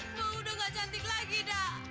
kamu udah gak cantik lagi dah